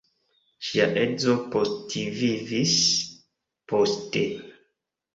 Ŝia edzo postvivis poste.